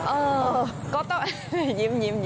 เออก็ต้องยิ้ม